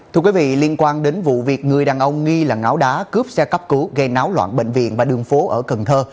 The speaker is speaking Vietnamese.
thưa quý vị liên quan đến vụ việc người đàn ông nghi là ngáo đá cướp xe cấp cứu gây náo loạn bệnh viện và đường phố ở cần thơ